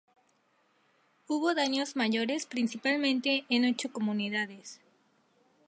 Hubo daños mayores, principalmente en ocho comunidades.